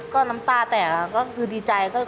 ก็น้ำตาแตกก็คือดีใจ